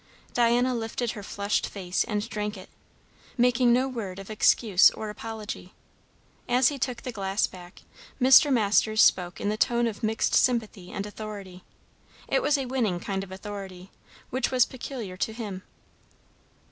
Diana lifted her flushed face and drank it, making no word of excuse or apology. As he took the glass back, Mr. Masters spoke in the tone of mixed sympathy and authority it was a winning kind of authority which was peculiar to him.